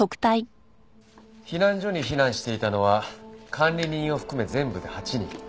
避難所に避難していたのは管理人を含め全部で８人。